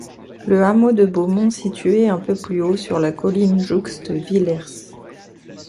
Le hameau de Beaumont situé un peu plus haut sur la colline jouxte Villers.